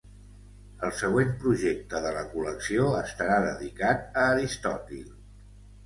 El següent projecte de la col·lecció estarà dedicat a Aristòtil.